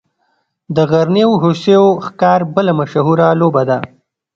د غرنیو هوسیو ښکار بله مشهوره لوبه ده